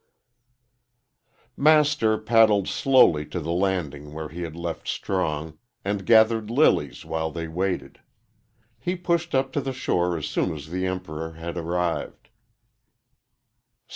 XII. MASTER paddled slowly to the landing where he had left Strong, and gathered lilies while they waited. He pushed up to the shore as soon as the Emperor had arrived.